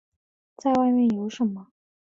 再外面有什么